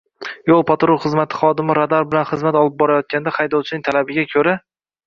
Yo'l patrul xizmati xodimi radar bilan xizmat olib borayotganida haydovchining talabiga ko‘ra